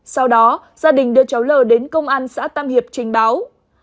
sau đó gia đình đưa cháu l đến công an xã tam hiệp trình báo